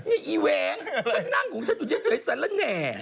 นี่อีแว้งฉันนั่งของฉันอยู่เฉยสารแหน่